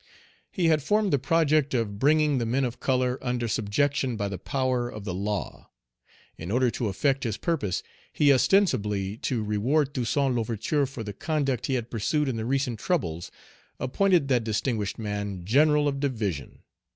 He had formed the project of bringing the men of color under subjection by the power of the law. In order to effect his purpose, he, ostensibly to reward Toussaint L'Ouverture for the conduct he had pursued in the recent troubles, appointed that distinguished man general of division.